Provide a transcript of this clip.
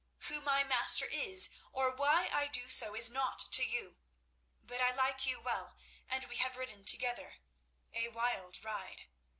Who my master is or why I do so is naught to you. But I like you well, and we have ridden together— a wild ride.